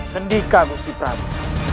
sendika gusti prabu